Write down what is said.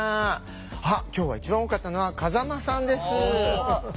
あっ今日は一番多かったのは風間さんです。